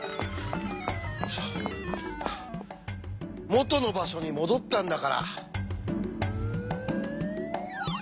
元の場所に戻ったんだから。